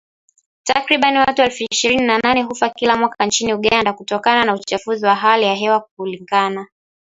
Takriban watu elfu ishirini na nane hufa kila mwaka nchini Uganda kutokana na uchafuzi wa hali ya hewa kulingana